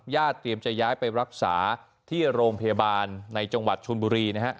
เตรียมจะย้ายไปรักษาที่โรงพยาบาลในจังหวัดชนบุรีนะฮะ